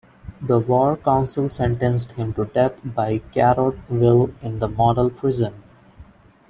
The war council sentenced him to death by garrote vil in the "Model" prison.